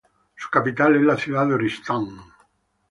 Su capital es la ciudad de Oristán.